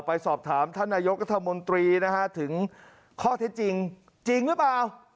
ไปสอบถามท่านนายกรัฐมนตรีนะฮะถึงข้อเท็จจริงจริงหรือเปล่า